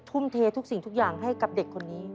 ทุ่มเททุกสิ่งทุกอย่างให้กับเด็กคนนี้